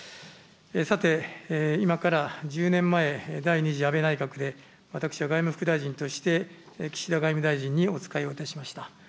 さて、今から１０年前、第２次安倍内閣で私は外務副大臣として岸田外務大臣におつかいをいたしました。